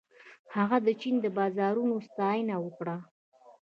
هغه د چین د بازارونو ستاینه وکړه.